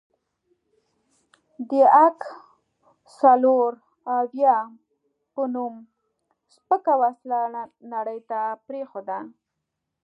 د اک څلوراویا په نوم سپکه وسله نړۍ ته پرېښوده.